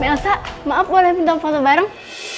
mbak elsa maaf boleh minta foto bareng